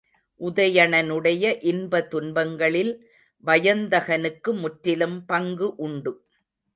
உதயணனுடைய இன்ப துன்பங்களில் வயந்தகனுக்கு முற்றிலும் பங்கு உண்டு.